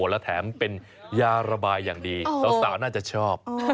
และแถมเป็นยาระบายอย่างดีสาวน่าจะชอบ